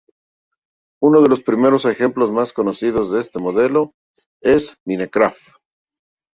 Uno de los primeros ejemplos más conocidos de este modelo es "Minecraft".